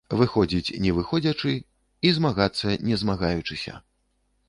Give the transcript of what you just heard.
Выходзіць не выходзячы і змагацца не змагаючыся.